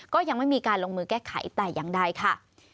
ก็ยังไม่มีการลงมือแก้ไขแต่อย่างใดค่ะ